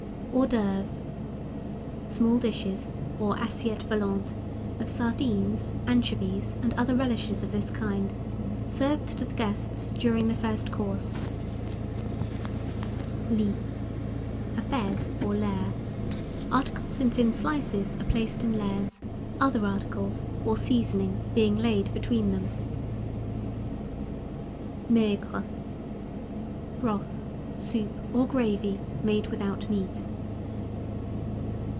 HORS D'OEUVRES. Small dishes, or assiettes volantes of sardines, anchovies, and other relishes of this kind, served to the guests during the first course. (See ASSIETTES VOLANTES.) LIT. A bed or layer; articles in thin slices are placed in layers, other articles, or seasoning, being laid between them. MAIGRE. Broth, soup, or gravy, made without meat.